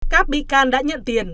các bi can đã nhận tiền